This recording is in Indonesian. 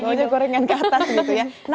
maunya gorengan ke atas gitu ya